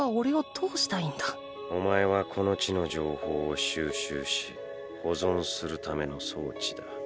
⁉お前はこの地の情報を収集し保存するための装置だ。